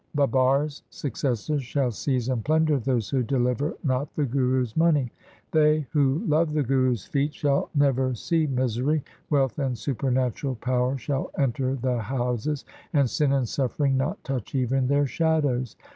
Babar's successors shall seize and plunder those Who deliver not the Guru's money. They who love the Guru's feet Shall never see misery. Wealth and supernatural power shall enter their houses, And sin and suffering not touch even their shadows.